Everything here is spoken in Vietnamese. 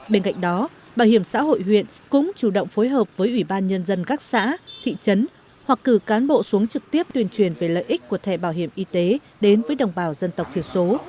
bên cạnh đó bảo hiểm xã hội huyện cũng chủ động phối hợp với ủy ban nhân dân các xã thị trấn hoặc cử cán bộ xuống trực tiếp tuyên truyền về lợi ích của thẻ bảo hiểm y tế đến với đồng bào dân tộc thiểu số